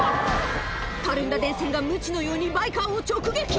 たるんだ電線がムチのようにバイカーを直撃！